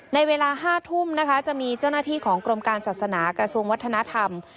ในเวลา๕ทุ่มนะคะจะมีเจ้าหน้าที่ของกรมการศาสนากระทรวงวัฒนธรรม